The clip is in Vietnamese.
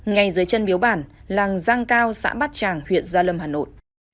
ngay dưới chân biếu bản làng giang cao xã bát tràng huyện gia lâm hà nội